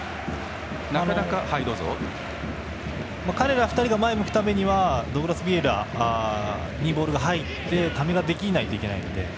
彼ら２人が前を向くためにはドウグラス・ヴィエイラにボールが入ってためができないといけないので。